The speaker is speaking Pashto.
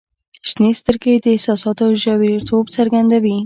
• شنې سترګې د احساساتو ژوریتوب څرګندوي.